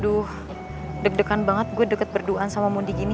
aduh deg degan banget gue deket berduaan sama mundi gini